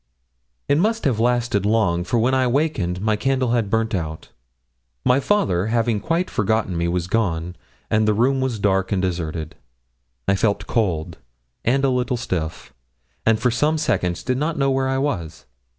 It must have lasted long, for when I wakened my candle had burnt out; my father, having quite forgotten me, was gone, and the room was dark and deserted. I felt cold and a little stiff, and for some seconds did not know where I was.